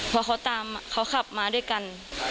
เพราะเค้าตามเราขับมาด้วยกัน